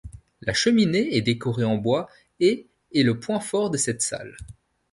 La cheminée est décorée en bois et est le point fort de cette salle.